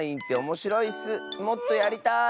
もっとやりたい！